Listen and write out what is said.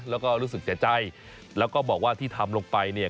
แล้วก็รู้สึกเสียใจแล้วก็บอกว่าที่ทำลงไปเนี่ย